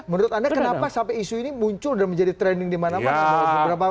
menurut anda kenapa sampai isu ini muncul dan menjadi trending di mana mana